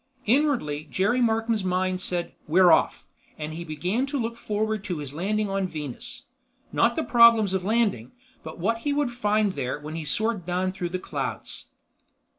Inwardly, Jerry Markham's mind said, "We're off!" and he began to look forward to his landing on Venus. Not the problems of landing, but what he would find there when he soared down through the clouds.